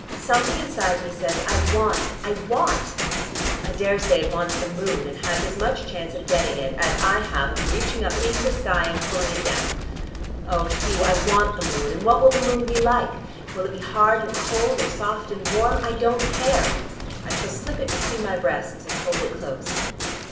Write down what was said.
Something inside me says 'I want: I want.' I daresay it wants the moon, and has as much chance of getting it as I have of reaching up into the sky and pulling it down. Oh, Hugh, I want the moon, and what will the moon be like? Will it be hard and cold or soft and warm? I don't care. I shall slip it between my breasts and hold it close."